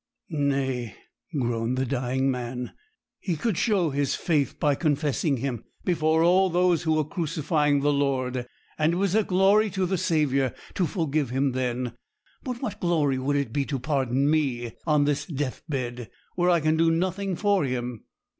'Nay,' groaned the dying man, 'he could show his faith by confessing Him before all those who were crucifying the Lord, and it was a glory to the Saviour to forgive him then. But what glory would it be to pardon me on this death bed, where I can do nothing for Him?